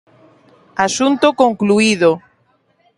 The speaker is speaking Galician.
Asunto concluído.